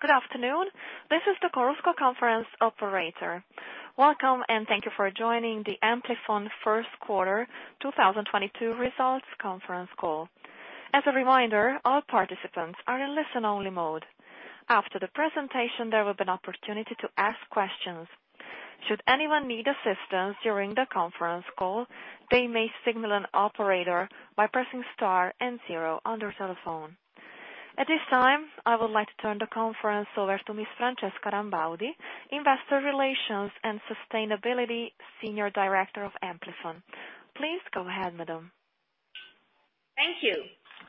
Good afternoon. This is the Chorus Call Conference Operator. Welcome, and thank you for joining the Amplifon first quarter 2022 results conference call. As a reminder, all participants are in listen-only mode. After the presentation, there will be an opportunity to ask questions. Should anyone need assistance during the conference call, they may signal an operator by pressing star and zero on their telephone. At this time, I would like to turn the conference over to Miss Francesca Rambaudi, Investor Relations and Sustainability Senior Director of Amplifon. Please go ahead, madam. Thank you.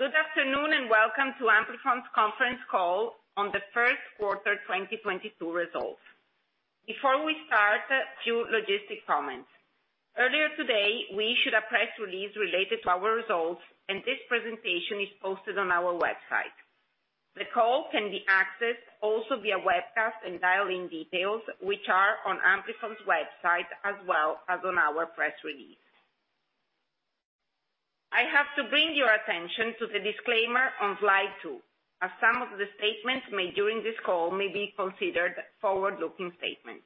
Good afternoon, and welcome to Amplifon's conference call on the first quarter 2022 results. Before we start, a few logistical comments. Earlier today, we issued a press release related to our results, and this presentation is posted on our website. The call can be accessed also via webcast and dial-in details, which are on Amplifon's website as well as on our press release. I have to bring to your attention to the disclaimer on slide two, as some of the statements made during this call may be considered forward-looking statements.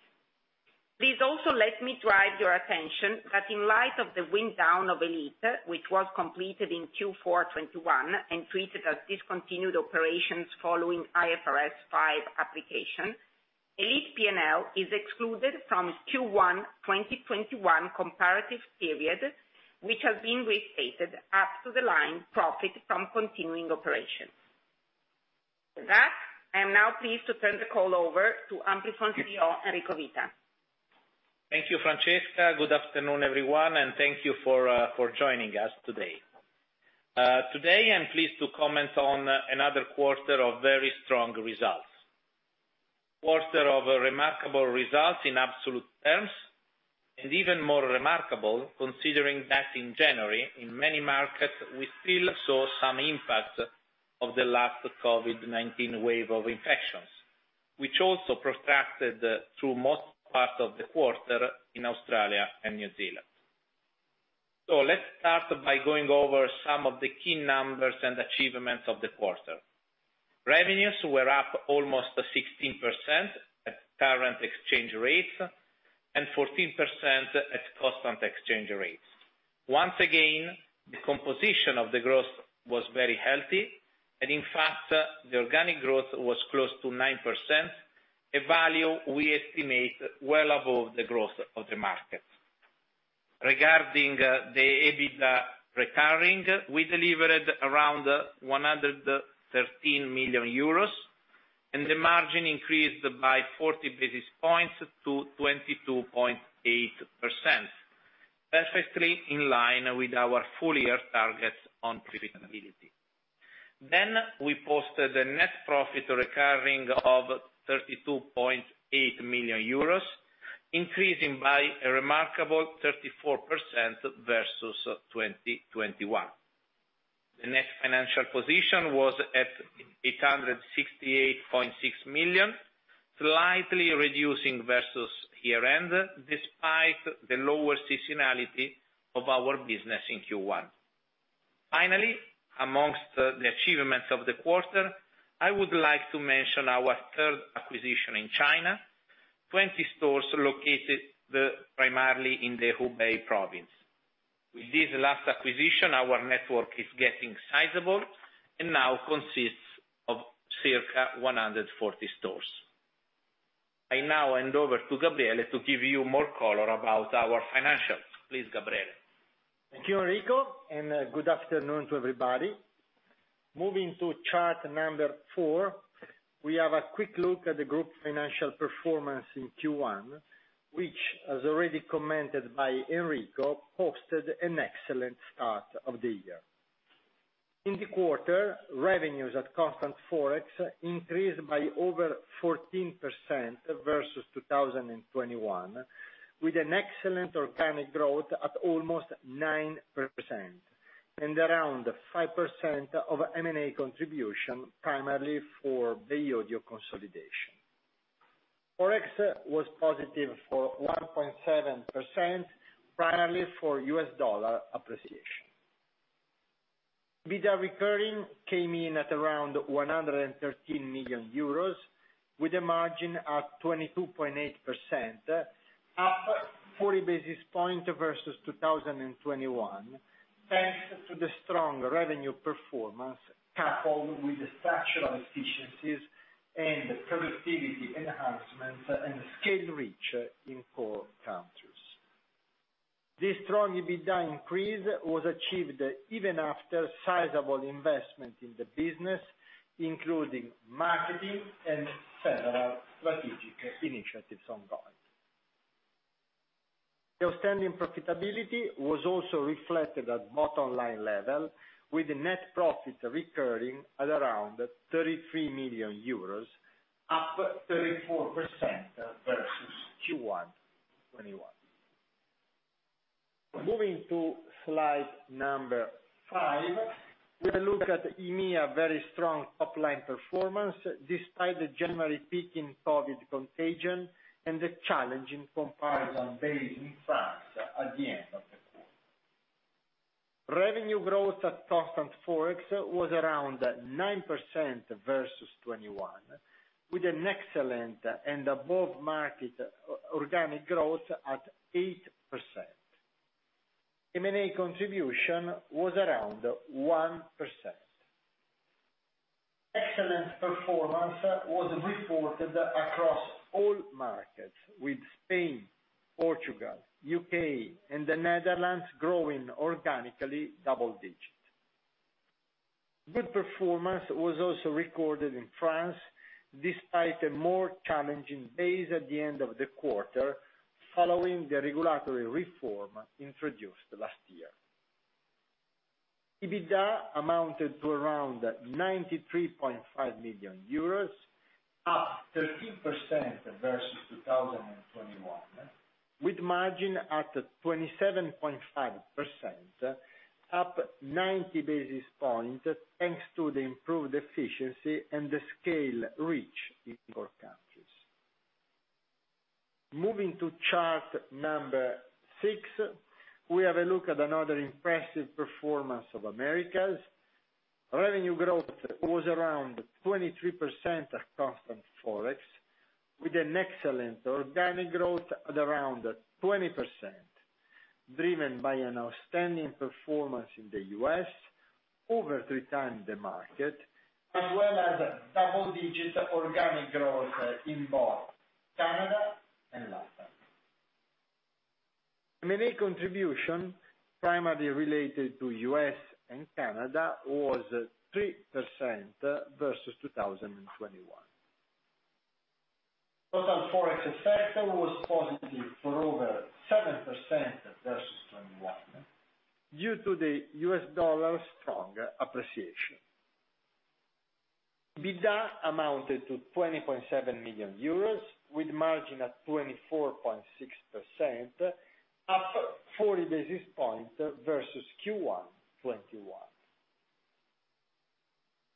Please also let me draw your attention that in light of the wind down of Elite, which was completed in Q4 2021 and treated as discontinued operations following IFRS 5 application, Elite P&L is excluded from Q1 2021 comparative period, which has been restated up to the line profit from continuing operations. With that, I am now pleased to turn the call over to Amplifon CEO, Enrico Vita. Thank you, Francesca. Good afternoon, everyone, and thank you for joining us today. Today I'm pleased to comment on another quarter of very strong results. Quarter of remarkable results in absolute terms, and even more remarkable considering that in January, in many markets we still saw some impact of the last COVID-19 wave of infections, which also protracted through most parts of the quarter in Australia and New Zealand. Let's start by going over some of the key numbers and achievements of the quarter. Revenues were up almost 16% at current exchange rates and 14% at constant exchange rates. Once again, the composition of the growth was very healthy, and in fact, the organic growth was close to 9%, a value we estimate well above the growth of the market. Regarding the EBITDA recurring, we delivered around 113 million euros, and the margin increased by 40 basis points to 22.8%, perfectly in line with our full-year targets on profitability. We posted a net profit recurring of 32.8 million euros, increasing by a remarkable 34% versus 2021. The net financial position was at 868.6 million, slightly reducing versus year-end, despite the lower seasonality of our business in Q1. Amongst the achievements of the quarter, I would like to mention our third acquisition in China, 20 stores located primarily in the Hubei province. With this last acquisition, our network is getting sizable and now consists of circa 140 stores. I now hand over to Gabriele to give you more color about our financials. Please, Gabriele. Thank you, Enrico, and good afternoon to everybody. Moving to chart number four, we have a quick look at the group financial performance in Q1, which as already commented by Enrico, posted an excellent start of the year. In the quarter, revenues at constant Forex increased by over 14% versus 2021 with an excellent organic growth at almost 9% and around 5% of M&A contribution, primarily for Bay Audio consolidation. Forex was positive for 1.7%, primarily for U.S. dollar appreciation. EBITDA recurring came in at around 113 million euros with a margin at 22.8%, up 40 basis points versus 2021, thanks to the strong revenue performance coupled with the structural efficiencies and productivity enhancements and scale reach in core countries. This strong EBITDA increase was achieved even after sizable investment in the business, including marketing and several strategic initiatives ongoing. The outstanding profitability was also reflected at bottom-line level with the net profit recurring at around 33 million euros, up 34% versus Q1 2021. Moving to slide number five, we look at EMEA very strong top-line performance despite the January peak in COVID contagion and the challenging comparison base in France at the end of the quarter. Revenue growth at constant Forex was around 9% versus 2021, with an excellent and above-market organic growth at 8%. M&A contribution was around 1%. Excellent performance was reported across all markets with Spain, Portugal, U.K., and the Netherlands growing organically double-digit. Good performance was also recorded in France despite a more challenging days at the end of the quarter following the regulatory reform introduced last year. EBITDA amounted to around 93.5 million euros, up 13% versus 2021, with margin at 27.5%, up 90 basis points, thanks to the improved efficiency and the scale reach in core countries. Moving to chart six, we have a look at another impressive performance of Americas. Revenue growth was around 23% at constant Forex, with an excellent organic growth at around 20%, driven by an outstanding performance in the U.S. over three times the market, as well as double-digit organic growth in both Canada and Latin America. M&A contribution, primarily related to U.S. and Canada, was 3% versus 2021. Total Forex effect was positive for over 7% versus 2021, due to the U.S. dollar stronger appreciation. EBITDA amounted to 20.7 million euros with margin at 24.6%, up 40 basis points versus Q1 2021.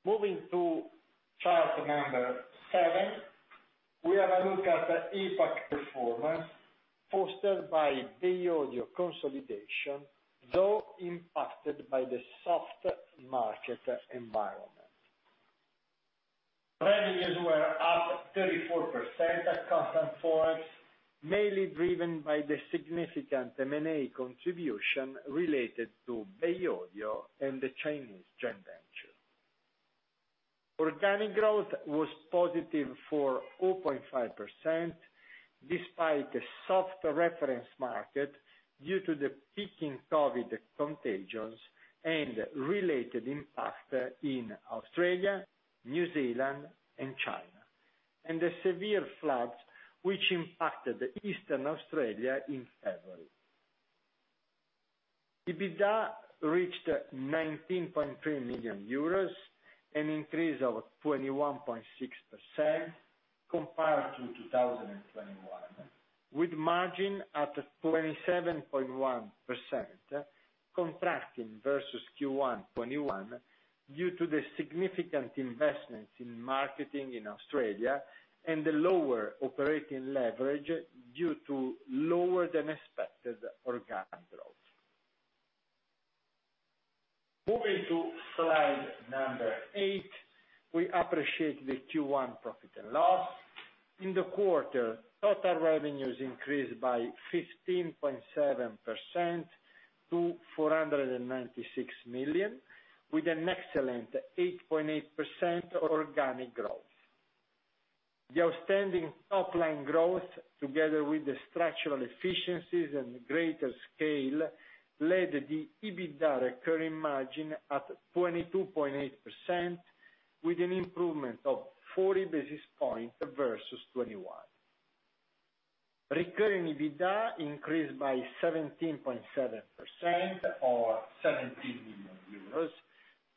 Moving to chart number seven, we have a look at the APAC performance fostered by the audio consolidation, though impacted by the soft market environment. Revenues were up 34% at constant Forex, mainly driven by the significant M&A contribution related to Bay Audio and the Chinese joint venture. Organic growth was positive for 0.5% despite the soft reference market due to the peaking COVID contagions and related impact in Australia, New Zealand, and China, and the severe floods which impacted the eastern Australia in February. EBITDA reached 19.3 million euros, an increase of 21.6% compared to 2021, with margin at 27.1% contracting versus Q1 2021 due to the significant investments in marketing in Australia and the lower operating leverage due to lower than expected organic growth. Moving to slide eight, we appreciate the Q1 P&L. In the quarter, total revenues increased by 15.7% to 496 million, with an excellent 8.8% organic growth. The outstanding top-line growth, together with the structural efficiencies and greater scale, led to the EBITDA recurring margin at 22.8% with an improvement of 40 basis points versus 2021. Recurring EBITDA increased by 17.7% or 17 million euros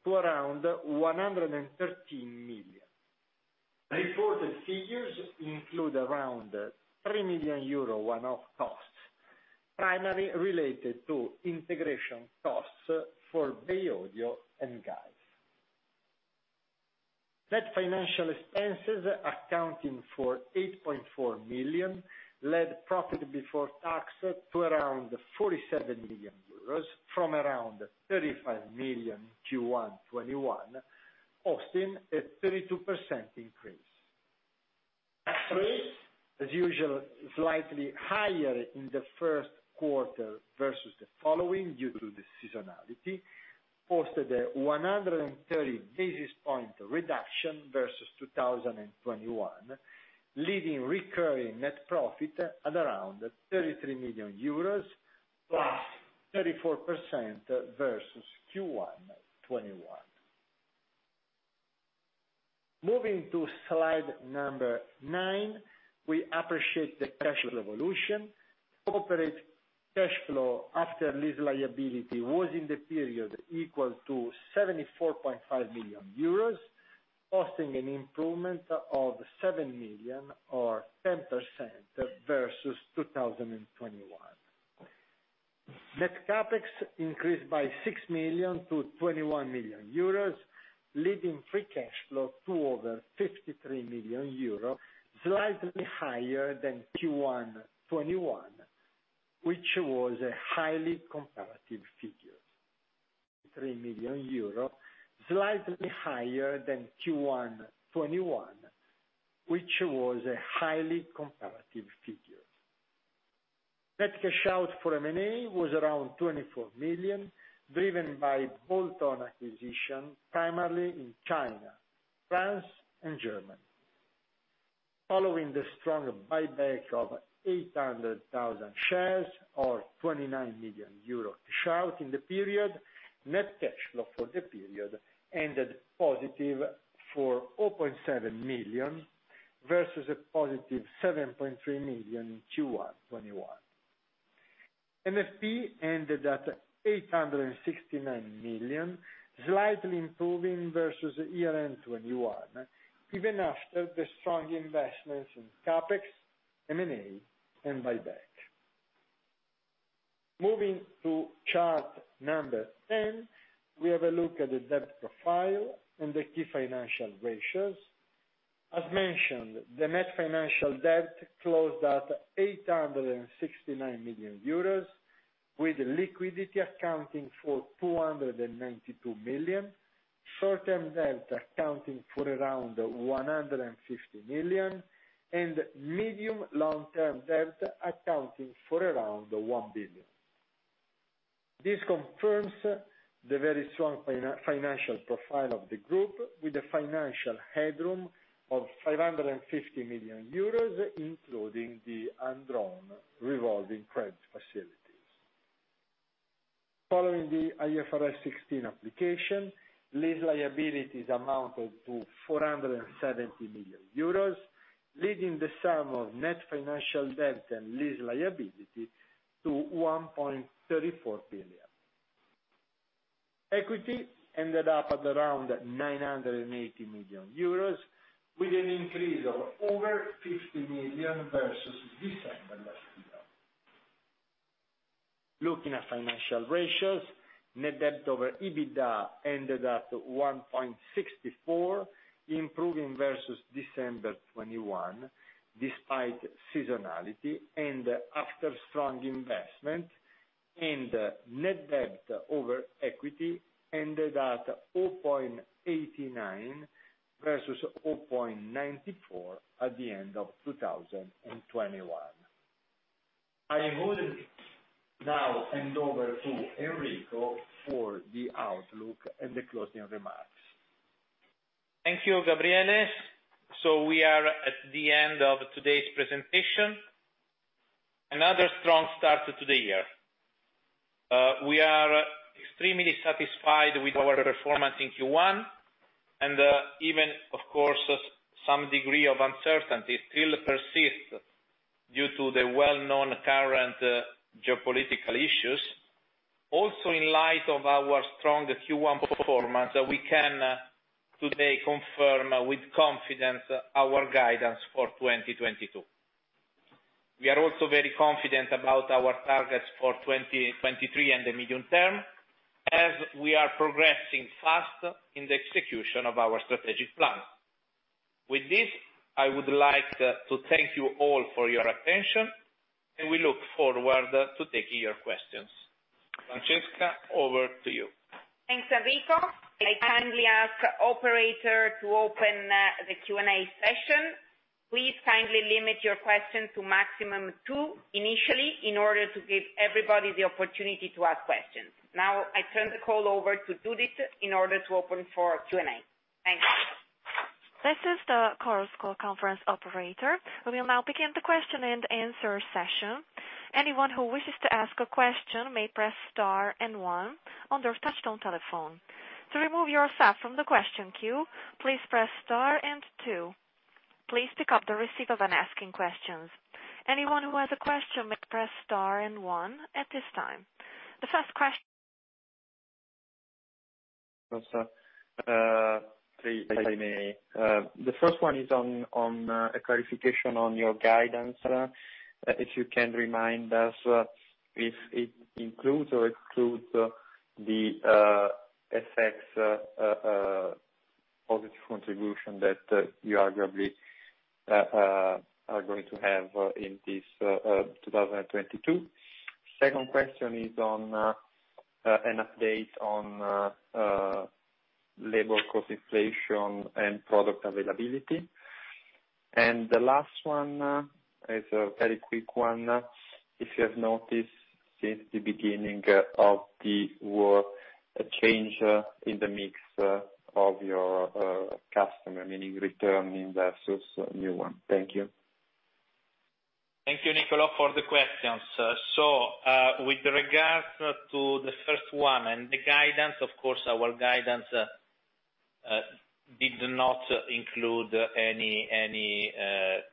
to around 113 million. Reported figures include around 3 million euro one-off costs, primarily related to integration costs for Bay Audio and GAES. Net financial expenses accounting for 8.4 million led profit before tax to around 47 million euros from around 35 million Q1 2021, posting a 32% increase. As usual, slightly higher in the first quarter versus the following due to the seasonality, posted a 130 basis point reduction versus 2021, leaving recurring net profit at around 33 million euros, +34% versus Q1 2021. Moving to slide nine, we appreciate the cash generation. Corporate cash flow after lease liability was in the period equal to 74.5 million euros, posting an improvement of 7 million or 10% versus 2021. Net CapEx increased by 6 million to 21 million euros. Leading free cash flow to over 53 million euros, slightly higher than Q1 2021, which was a highly comparative figure. 3 million euro, slightly higher than Q1 2021, which was a highly comparative figure. Net cash out for M&A was around 24 million, driven by bolt-on acquisition, primarily in China, France and Germany. Following the strong buyback of 800,000 shares or 29 million euros to shareholders in the period, net cash flow for the period ended positive for 4.7 million, versus a +7.3 million in Q1 2021. NFP ended at 869 million, slightly improving versus year-end 2021, even after the strong investments in CapEx, M&A and buyback. Moving to chart number 10, we have a look at the debt profile and the key financial ratios. As mentioned, the net financial debt closed at 869 million euros, with liquidity accounting for 292 million, short-term debt accounting for around 150 million, and medium long-term debt accounting for around 1 billion. This confirms the very strong financial profile of the group with a financial headroom of 550 million euros, including the undrawn revolving credit facilities. Following the IFRS 16 application, lease liabilities amounted to 470 million euros, leading the sum of net financial debt and lease liability to 1.34 billion. Equity ended up at around 980 million euros with an increase of over 50 million versus December last year. Looking at financial ratios, net debt over EBITDA ended at 1.64x, improving versus December 2021 despite seasonality and after strong investment, and net debt over equity ended at 4.89x versus 4.94x at the end of 2021. I will now hand over to Enrico for the outlook and the closing remarks. Thank you, Gabriele. We are at the end of today's presentation. Another strong start to the year. We are extremely satisfied with our performance in Q1 and, even of course some degree of uncertainty still persist due to the well-known current geopolitical issues. Also in light of our strong Q1 performance that we can today confirm with confidence our guidance for 2022. We are also very confident about our targets for 2023 and the medium term as we are progressing fast in the execution of our strategic plan. With this, I would like to thank you all for your attention and we look forward to taking your questions. Francesca, over to you. Thanks, Enrico. I kindly ask operator to open the Q&A session. Please kindly limit your questions to maximum two initially in order to give everybody the opportunity to ask questions. Now, I turn the call over to Judy in order to open for Q&A. Thanks. This is the Chorus Call Conference Operator. We will now begin the question and answer session. Anyone who wishes to ask a question may press star and one on their touch-tone telephone. To remove yourself from the question queue, please press star and two. Please pick up the receiver when asking questions. Anyone who has a question may press star and one at this time. If I may. The first one is on a clarification on your guidance. If you can remind us if it includes or excludes the positive contribution that you arguably are going to have in this 2022. Second question is on an update on labor cost inflation and product availability. The last one is a very quick one. If you have noticed since the beginning of the war, a change in the mix of your customer, meaning returning versus new one. Thank you. Thank you, Nicola, for the questions. With regards to the first one and the guidance, of course, our guidance did not include any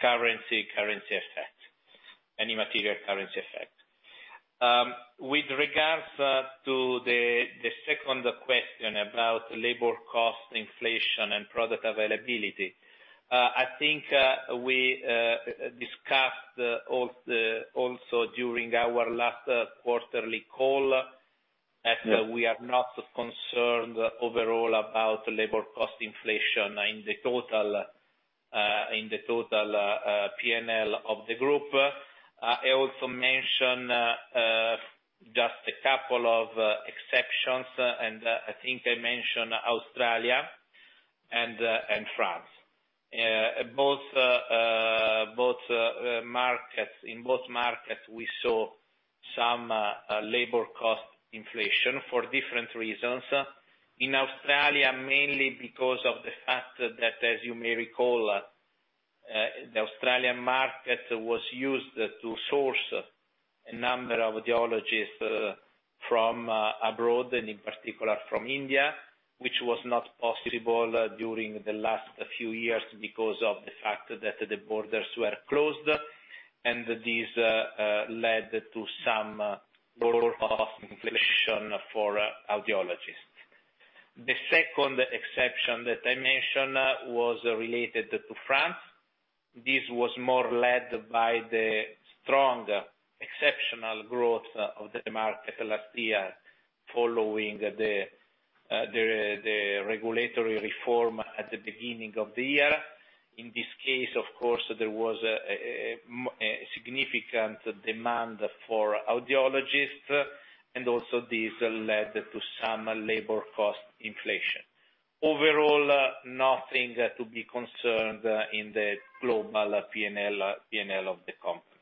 currency effect, any material currency effect. With regards to the second question about labor cost inflation and product availability. I think we discussed also during our last quarterly call that we are not concerned overall about labor cost inflation in the total P&L of the group. I also mentioned just a couple of exceptions, and I think I mentioned Australia and France. Both markets. In both markets we saw some labor cost inflation for different reasons. In Australia, mainly because of the fact that as you may recall, the Australian market was used to source a number of audiologists from abroad, and in particular from India, which was not possible during the last few years because of the fact that the borders were closed. This led to some roll-off inflation for audiologists. The second exception that I mentioned was related to France. This was more led by the strong exceptional growth of the market last year following the regulatory reform at the beginning of the year. In this case, of course, there was a significant demand for audiologists, and also this led to some labor cost inflation. Overall, nothing to be concerned in the global P&L of the company.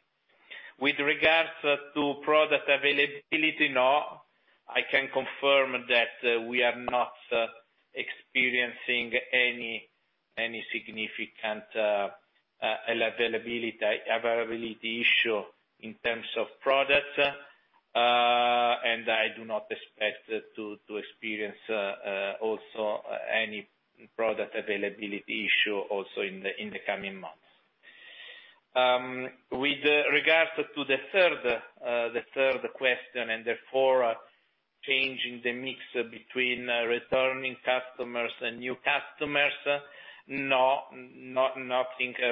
With regards to product availability, no, I can confirm that we are not experiencing any significant availability issue in terms of products. I do not expect to experience also any product availability issue also in the coming months. With regards to the third question, and therefore changing the mix between returning customers and new customers. No, nothing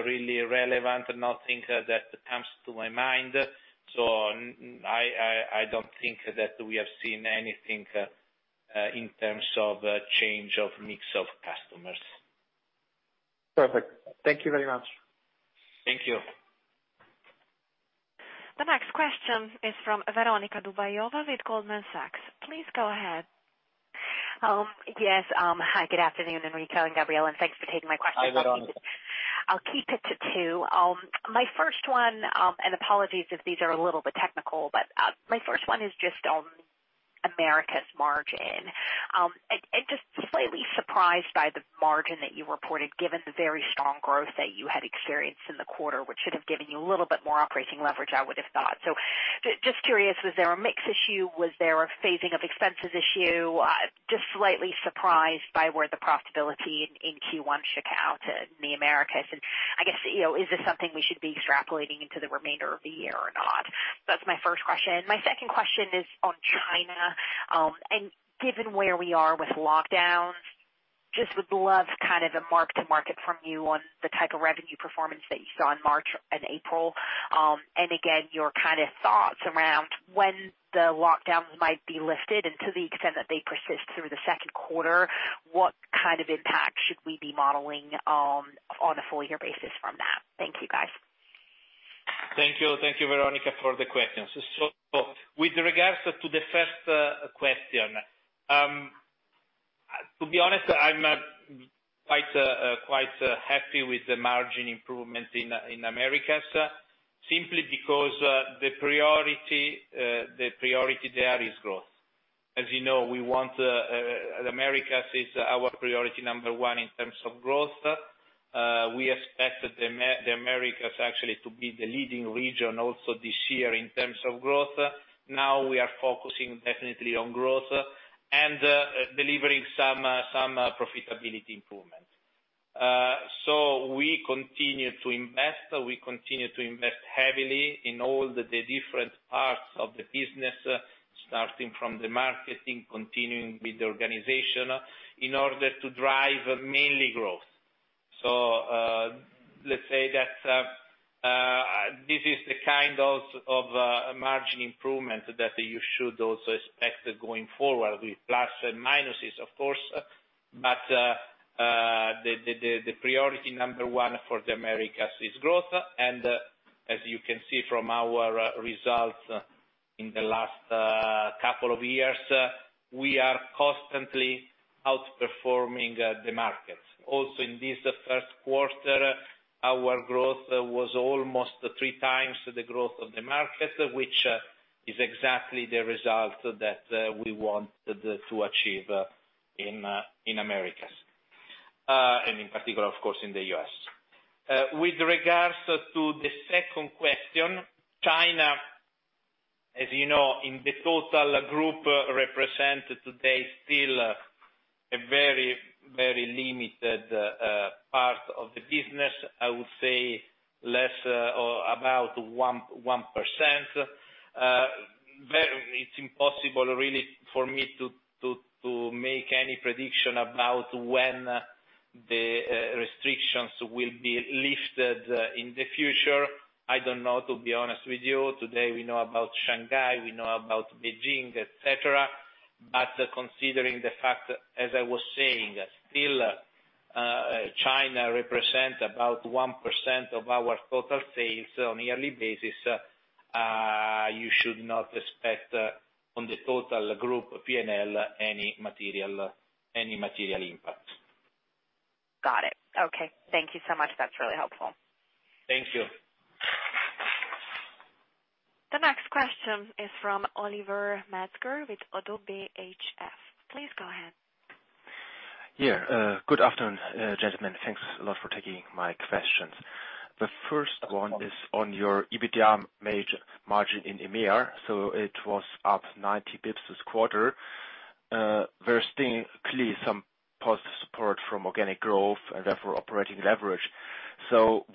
really relevant. Nothing that comes to my mind. I don't think that we have seen anything in terms of change of mix of customers. Perfect. Thank you very much. Thank you. The next question is from Veronika Dubajova with Goldman Sachs. Please go ahead. Yes, hi, good afternoon, Enrico and Gabriele, and thanks for taking my questions. Hi, Veronika. I'll keep it to two. My first one, and apologies if these are a little bit technical. My first one is just on Americas margin. Just slightly surprised by the margin that you reported, given the very strong growth that you had experienced in the quarter, which should have given you a little bit more operating leverage, I would have thought. Just curious, was there a mix issue? Was there a phasing of expenses issue? Just slightly surprised by where the profitability in Q1 shook out in the Americas. I guess, you know, is this something we should be extrapolating into the remainder of the year or not? That's my first question. My second question is on China. Given where we are with lockdowns, just would love kind of a mark to market from you on the type of revenue performance that you saw in March and April. Again, your kind of thoughts around when the lockdowns might be lifted and to the extent that they persist through the second quarter, what kind of impact should we be modeling on a full-year basis from that? Thank you, guys. Thank you. Thank you, Veronika, for the questions. With regards to the first question, to be honest, I'm quite happy with the margin improvement in Americas, simply because the priority there is growth. As you know, Americas is our priority number one in terms of growth. We expect the Americas actually to be the leading region also this year in terms of growth. Now we are focusing definitely on growth and delivering some profitability improvement. We continue to invest heavily in all the different parts of the business, starting from the marketing, continuing with the organization in order to drive mainly growth. Let's say that this is the kind of margin improvement that you should also expect going forward with plus and minuses, of course. The priority number one for the Americas is growth. As you can see from our results in the last couple of years, we are constantly outperforming the markets. Also in this first quarter, our growth was almost three times the growth of the market, which is exactly the result that we want to achieve in Americas and in particular, of course, in the U.S. With regards to the second question, China, as you know, in the total group represent today still a very limited part of the business. I would say less than about 1%. It's impossible really for me to make any prediction about when the restrictions will be lifted in the future. I don't know, to be honest with you. Today we know about Shanghai, we know about Beijing, et cetera. Considering the fact that, as I was saying, still, China represents about 1% of our total sales on a yearly basis. You should not expect on the total group P&L any material impact. Got it. Okay. Thank you so much. That's really helpful. Thank you. The next question is from Oliver Metzger with ODDO BHF. Please go ahead. Yeah. Good afternoon, gentlemen. Thanks a lot for taking my questions. The first one is on your EBITDA margin in EMEA. It was up 90 basis points this quarter. We're seeing clearly some positive support from organic growth and therefore operating leverage.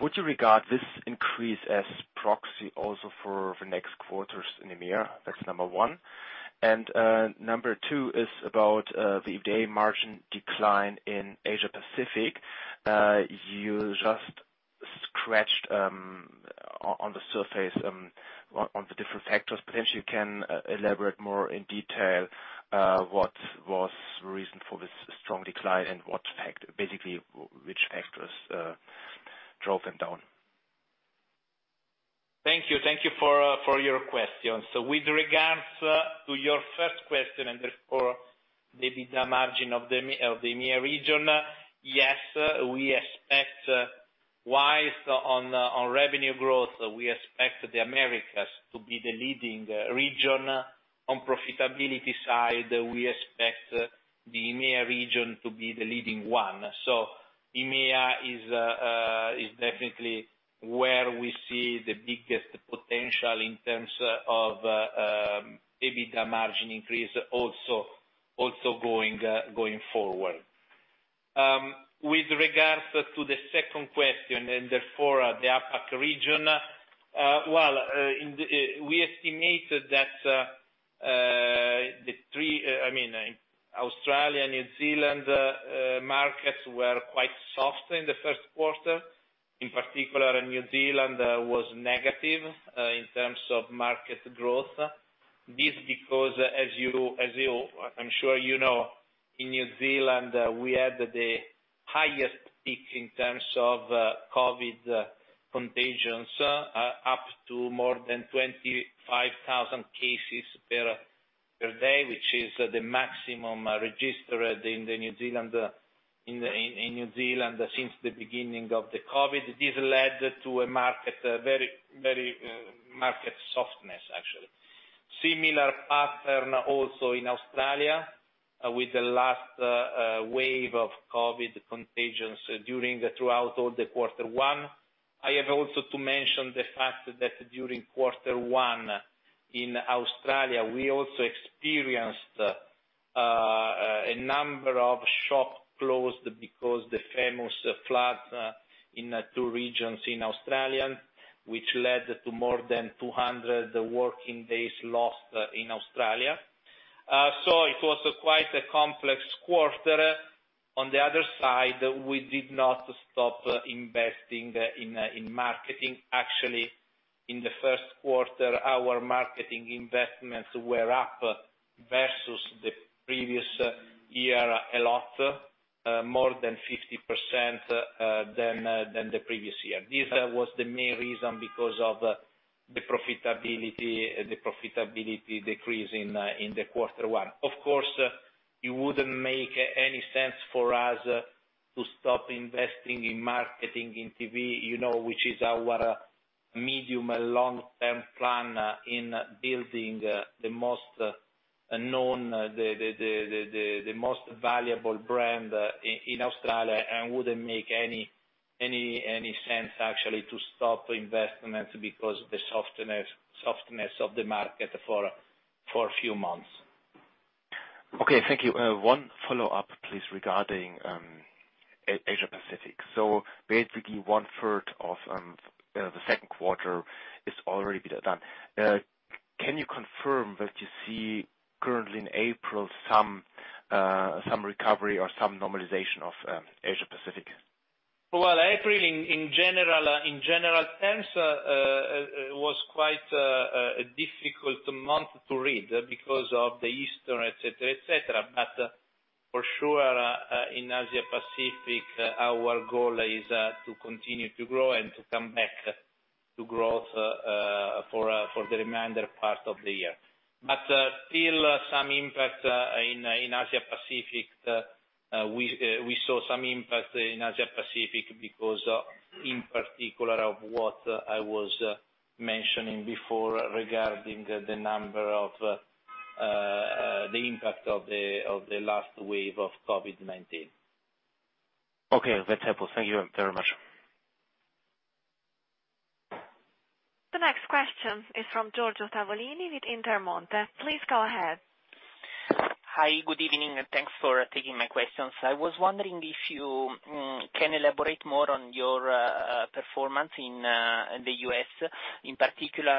Would you regard this increase as proxy also for the next quarters in EMEA? That's number one. Number two is about the EBITDA margin decline in Asia Pacific. You just scratched on the surface on the different factors. Perhaps you can elaborate more in detail what was the reason for this strong decline and basically which factors drove them down. Thank you. Thank you for your questions. With regards to your first question and therefore the EBITDA margin of the EMEA region, yes, we expect vice versa on revenue growth, we expect the Americas to be the leading region. On profitability side, we expect the EMEA region to be the leading one. EMEA is definitely where we see the biggest potential in terms of EBITDA margin increase also going forward. With regards to the second question and therefore the APAC region, well, we estimated that, I mean, Australia and New Zealand markets were quite soft in the first quarter. In particular, in New Zealand was negative in terms of market growth. This because as you, I'm sure you know, in New Zealand, we had the highest peak in terms of, COVID contagions, up to more than 25,000 cases per day, which is the maximum registered in New Zealand since the beginning of the COVID. This led to a market very market softness, actually. Similar pattern also in Australia with the last wave of COVID contagions during throughout all the quarter one. I have also to mention the fact that during quarter one in Australia, we also experienced a number of shops closed because the famous floods in two regions in Australia, which led to more than 200 working days lost in Australia. It was quite a complex quarter. On the other side, we did not stop investing in marketing. Actually, in the first quarter, our marketing investments were up versus the previous year a lot, more than 50% than the previous year. This was the main reason because of the profitability decrease in quarter one. Of course, it wouldn't make any sense for us to stop investing in marketing in TV, you know, which is our medium and long-term plan in building the most known, the most valuable brand in Australia and wouldn't make any sense actually to stop investments because of the softness of the market for a few months. Okay. Thank you. One follow-up, please, regarding Asia-Pacific. Basically one third of the second quarter is already behind. Can you confirm that you see currently in April some recovery or some normalization of Asia-Pacific? Well, April in general terms was quite a difficult month to read because of the Easter, et cetera, et cetera. For sure, in Asia-Pacific, our goal is to continue to grow and to come back to growth for the remainder part of the year. Still some impact in Asia-Pacific. We saw some impact in Asia-Pacific because of, in particular, of what I was mentioning before regarding the number of the impact of the last wave of COVID-19. Okay. That's helpful. Thank you very much. The next question is from Giorgio Tavolini with Intermonte. Please go ahead. Hi, good evening, and thanks for taking my questions. I was wondering if you can elaborate more on your performance in the U.S. In particular,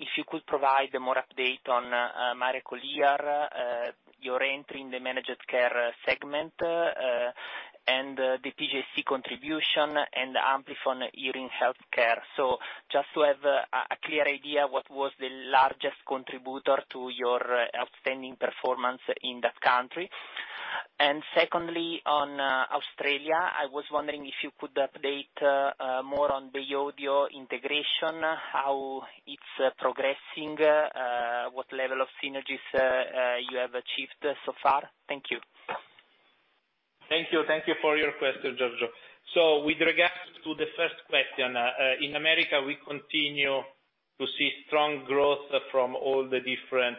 if you could provide more update on Miracle-Ear, your entry in the managed care segment, and the PCG contribution and Amplifon Hearing Health Care. So just to have a clear idea what was the largest contributor to your outstanding performance in that country. Secondly, on Australia, I was wondering if you could update more on the Bay Audio integration, how it's progressing, what level of synergies you have achieved so far. Thank you. Thank you. Thank you for your question, Giorgio. With regards to the first question, in America, we continue to see strong growth from all the different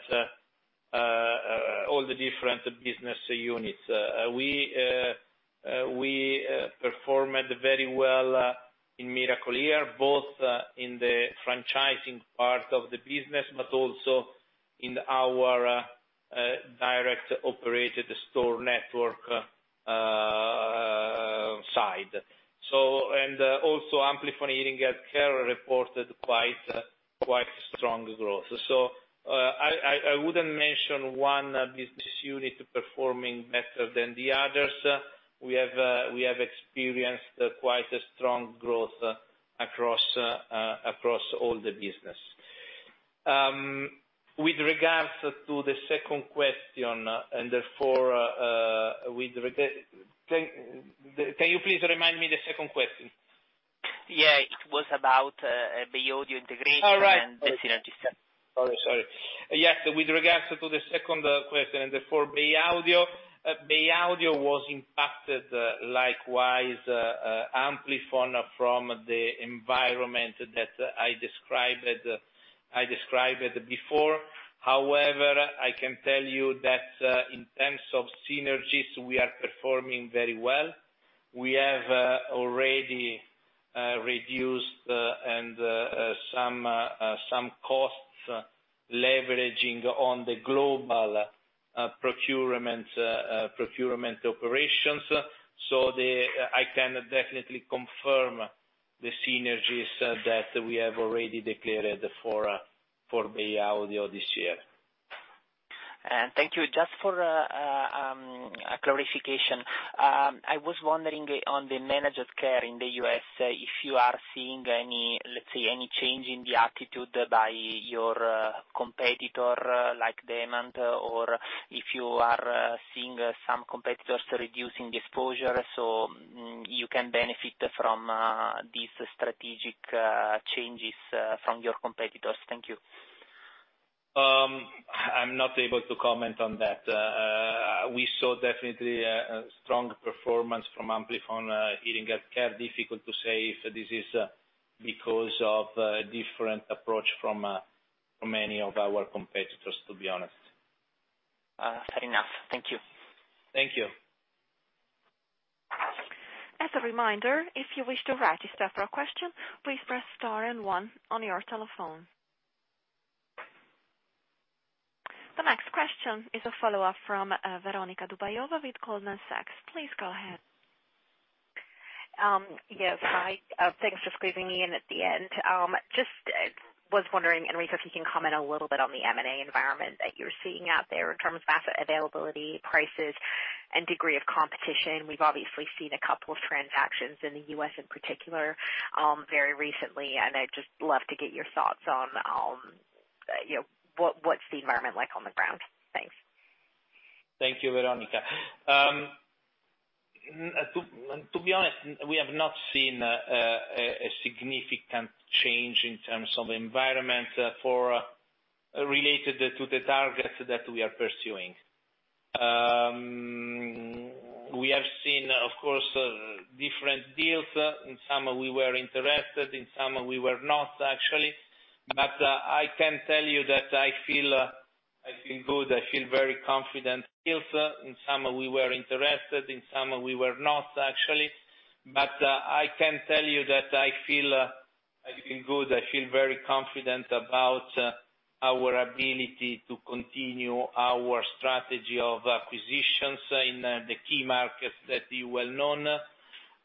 business units. We performed very well in Miracle-Ear, both in the franchising part of the business, but also in our direct operated store network side. Amplifon Hearing Health Care reported quite strong growth. I wouldn't mention one business unit performing better than the others. We have experienced quite a strong growth across all the business. With regards to the second question, with regard. Can you please remind me the second question? Yeah. It was about Bay Audio integration- All right. the synergies. Sorry. Yes. With regards to the second question, and therefore Bay Audio was impacted likewise, Amplifon from the environment that I described before. However, I can tell you that, in terms of synergies, we are performing very well. We have already reduced and some costs leveraging on the global procurement operations. I can definitely confirm the synergies that we have already declared for Bay Audio this year. Thank you. Just for clarification, I was wondering on the managed care in the U.S., if you are seeing any, let's say, any change in the attitude by your competitor like them, or if you are seeing some competitors reducing exposure, so you can benefit from these strategic changes from your competitors. Thank you. I'm not able to comment on that. We saw definitely a strong performance from Amplifon Hearing Health Care. Difficult to say if this is because of a different approach from any of our competitors, to be honest. Fair enough. Thank you. Thank you. As a reminder, if you wish to ask a separate question, please press star and one on your telephone. The next question is a follow-up from Veronika Dubajova with Goldman Sachs. Please go ahead. Yes. Hi. Thanks for squeezing me in at the end. Just was wondering, Enrico, if you can comment a little bit on the M&A environment that you're seeing out there in terms of asset availability, prices, and degree of competition. We've obviously seen a couple of transactions in the U.S. in particular, very recently, and I'd just love to get your thoughts on, you know, what's the environment like on the ground. Thanks. Thank you, Veronika. To be honest, we have not seen a significant change in terms of environment related to the targets that we are pursuing. We have seen, of course, different deals. In some we were interested, in some we were not, actually. I can tell you that I feel good. I feel very confident about our ability to continue our strategy of acquisitions in the key markets that are well known,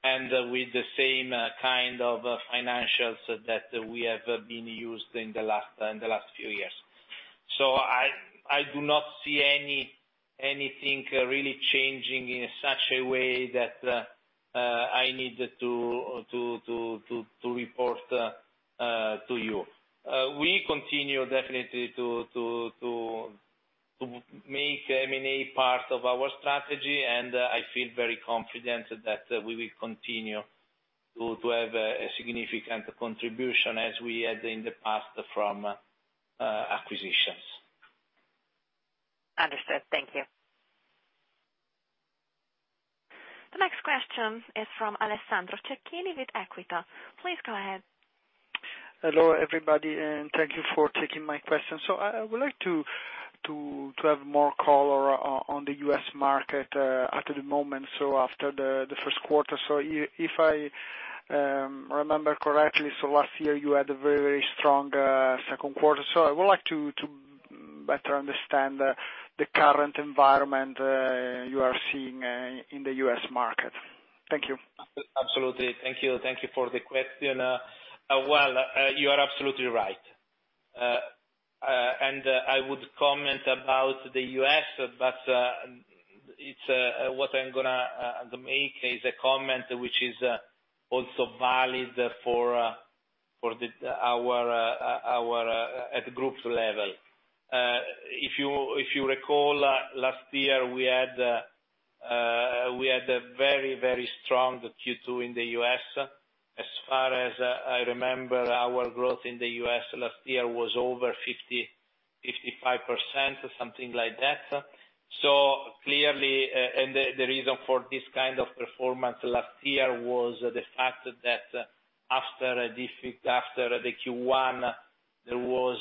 and with the same kind of financials that we have used in the last few years. I do not see anything really changing in such a way that I need to report to you. We continue definitely to make M&A part of our strategy, and I feel very confident that we will continue to have a significant contribution as we had in the past from acquisitions. Understood. Thank you. The next question is from Alessandro Cecchini with EQUITA. Please go ahead. Hello, everybody, and thank you for taking my question. I would like to have more color on the U.S. market at the moment, so after the first quarter. If I remember correctly, so last year you had a very strong second quarter. I would like to better understand the current environment you are seeing in the U.S. Market. Thank you. Absolutely. Thank you for the question. Well, you are absolutely right. I would comment about the U.S., but it's what I'm gonna make is a comment which is also valid for our at the group's level. If you recall, last year we had a very strong Q2 in the U.S. As far as I remember, our growth in the U.S. last year was over 55% or something like that. Clearly, the reason for this kind of performance last year was the fact that after a difficult Q1, there was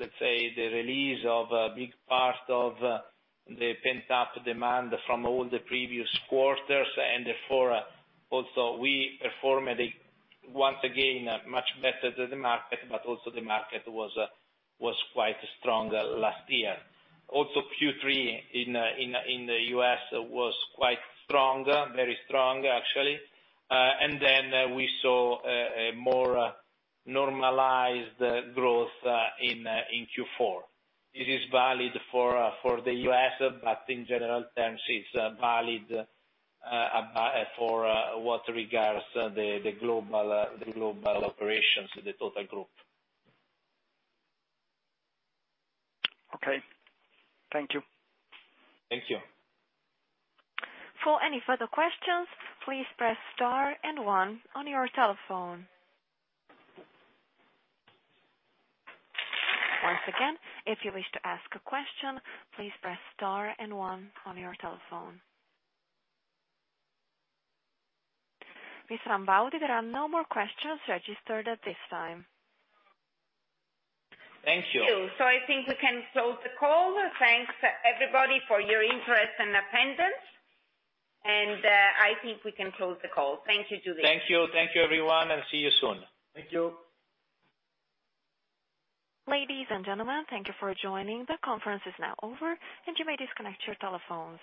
let's say the release of a big part of the pent-up demand from all the previous quarters. Therefore, also we performed once again much better than the market, but also the market was quite strong last year. Also Q3 in the U.S. was quite strong. Very strong actually. Then we saw a more normalized growth in Q4. It is valid for the U.S., but in general terms it's valid for what regards the global operations of the total group. Okay. Thank you. Thank you. For any further questions, please press star and one on your telephone. Once again, if you wish to ask a question, please press star and one on your telephone. Mr. Rambaudi, there are no more questions registered at this time. Thank you. I think we can close the call. Thanks everybody for your interest and attendance. I think we can close the call. Thank you, Julian. Thank you. Thank you everyone, and see you soon. Thank you. Ladies and gentlemen, thank you for joining. The conference is now over, and you may disconnect your telephones.